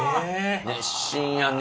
熱心やね！